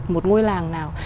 một ngôi làng nào